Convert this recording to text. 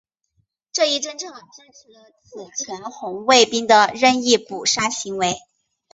这一政策支持了此前红卫兵的任意扑杀行为。